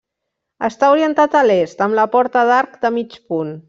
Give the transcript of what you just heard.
Està orientat a l'est, amb la porta d'arc de mig punt.